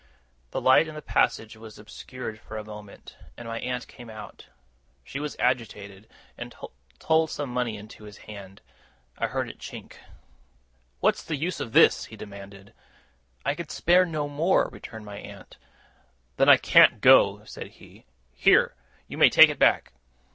The light in the passage was obscured for a moment, and my aunt came out. She was agitated, and told some money into his hand. I heard it chink. 'What's the use of this?' he demanded. 'I can spare no more,' returned my aunt. 'Then I can't go,' said he. 'Here! You may take it back!